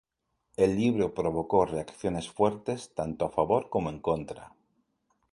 El libro provocó reacciones fuertes, tanto a favor como en contra.